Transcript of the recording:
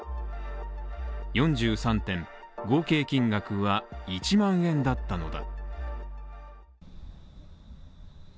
４３点、合計金額は１万円だったのだ。